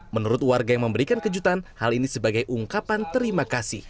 menurut warga yang memberikan kejutan hal ini sebagai ungkapan terima kasih